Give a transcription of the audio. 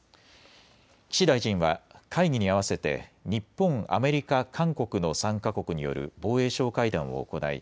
岸大臣は会議に合わせて日本、アメリカ、韓国の３か国による防衛相会談を行い